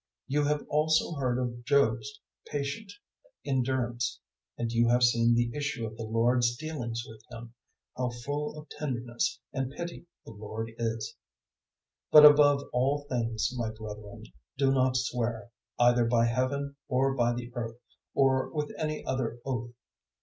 You have also heard of Job's patient endurance, and have seen the issue of the Lord's dealings with him how full of tenderness and pity the Lord is. 005:012 But above all things, my brethren, do not swear, either by Heaven or by the earth, or with any other oath.